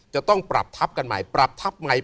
จะต้องปรับทัพกันใหม่ปรับทัพใหม่